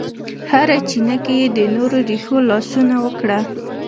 هره چینه کې یې د نور رېښو لاسونه وکړه